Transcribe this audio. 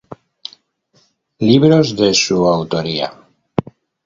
Libros de su autoría